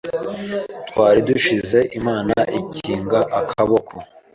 Twari dushize imana ikinga akaboko